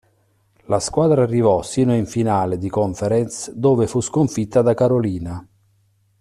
La squadra arrivò sino in finale di conference, dove fu sconfitta da Carolina.